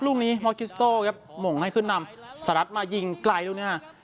ลูกนี้มอคิสโต้ครับหม่งให้ขึ้นนำสหรัฐมายิงไกลลูกเนี่ย